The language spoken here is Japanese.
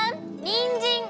にんじん！